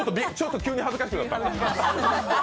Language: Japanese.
急に恥ずかしくなったの。